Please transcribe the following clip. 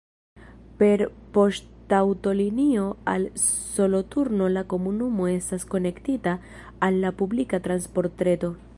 Per poŝtaŭtolinio al Soloturno la komunumo estas konektita al la publika transportreto.